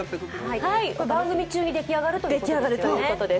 番組中に出来上がるということです。